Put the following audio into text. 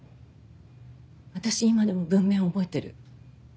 私今でも文面覚えてる。